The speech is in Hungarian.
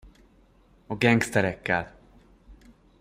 A gengszterekkel!